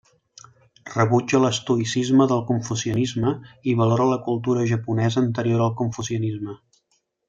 Rebutja l'estoïcisme del confucianisme i valora la cultura japonesa anterior al confucianisme.